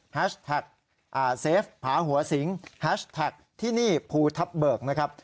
เซฟผาหัวสิงแฮชแท็กที่นี่ภูทับเบิกนะครับ